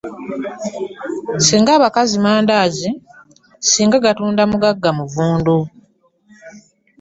Sssing abakazi mandaazi singa gatunda mugagga muvundu .